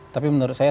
tapi menurut saya